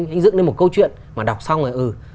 anh dựng lên một câu chuyện mà đọc xong rồi ừ